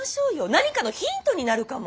何かのヒントになるかも！